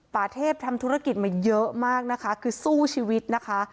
ป่าเทพทำธุรกิจมาเยอะมากนะคะคือสู้ชีวิตนะคะ